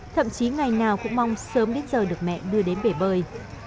thậm chí ngày nào cũng mong sớm đến giờ được mẹ đưa đến bể bơi